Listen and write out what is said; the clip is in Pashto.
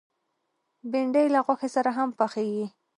بېنډۍ له غوښې سره هم پخېږي